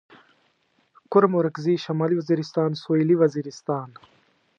کرم اورکزي شمالي وزيرستان سوېلي وزيرستان